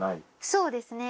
そうですね